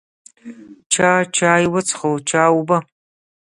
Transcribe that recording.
چا چای وڅښو، چا اوبه.